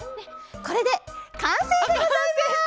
これでかんせいでございます！